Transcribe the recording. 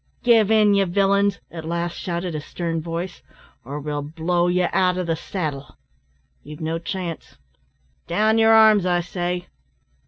"Give in, ye villains," at last shouted a stern voice, "or we'll blow ye out o' the saddle. You've no chance; down your arms, I say."